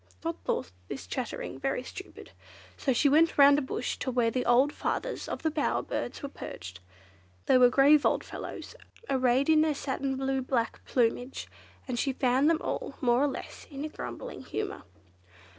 Dot thought this chattering very stupid, so she went round a bush to where the old fathers of the bower birds were perched. They were grave old fellows, arrayed in their satin blue black plumage, and she found them all, more or less, in a grumbling humour.